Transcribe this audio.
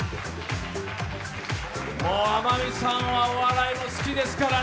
天海さんはお笑いも好きですからね。